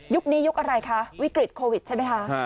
ยุคนี้ยุคอะไรวิกฤตโโฟวิตใช่ไหมครับ